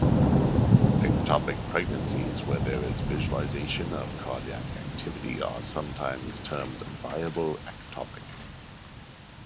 Ectopic pregnancies where there is visualization of cardiac activity are sometimes termed "viable ectopic".